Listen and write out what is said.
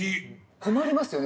困りますよね